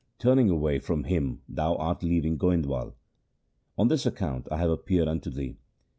Turning away from him thou art leaving Goindwal. On this account I have ap peared unto thee.